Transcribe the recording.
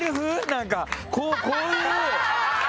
なんかこういう。